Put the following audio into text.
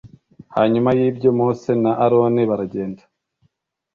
Hanyuma y ibyo Mose na Aroni baragenda